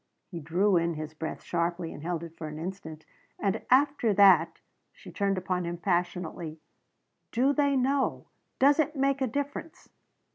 He drew in his breath sharply and held it for an instant. "And after that " She turned upon him passionately. "Do they know? Does it make a difference?"